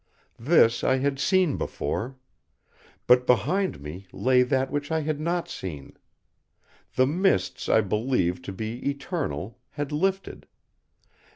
This I had seen before. But behind me lay that which I had not seen. The mists I believed to be eternal had lifted.